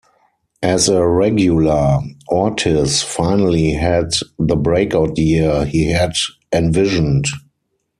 As a regular, Ortiz finally had the breakout year he had envisioned.